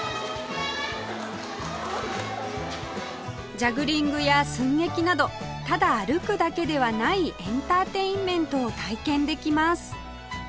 ジャグリングや寸劇などただ歩くだけではないエンターテインメントを体験できます